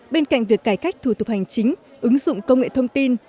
bên cạnh việc cải cách thủ tục hành chính ứng dụng công nghệ thông tin